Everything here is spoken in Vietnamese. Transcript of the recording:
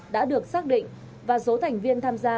đã được xác định và số thành viên tham gia